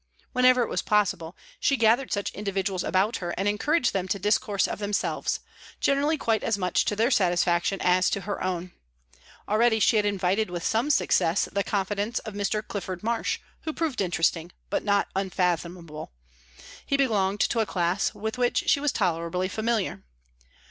Whenever it was possible, she gathered such individuals about her and encouraged them to discourse of themselves, generally quite as much to their satisfaction as to her own. Already she had invited with some success the confidence of Mr. Clifford Marsh, who proved interesting, but not unfathomable; he belonged to a class with which she was tolerably familiar.